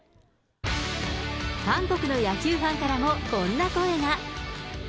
韓国の野球ファンからもこんな声が。